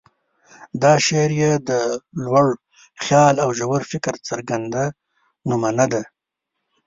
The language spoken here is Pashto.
دا شعر یې د لوړ خیال او ژور فکر څرګنده نمونه ده.